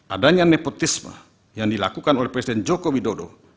adanya nepotisme yang dilakukan oleh presiden joko widodo